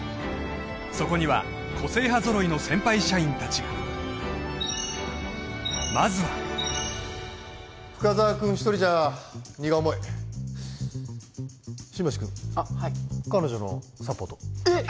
そこには個性派ぞろいの先輩社員達がまずは深沢君１人じゃ荷が重い新町君あっはい彼女のサポートえっ！？